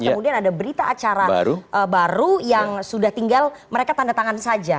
kemudian ada berita acara baru yang sudah tinggal mereka tanda tangan saja